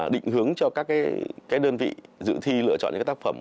định hướng cho các đơn vị dự thi lựa chọn những tác phẩm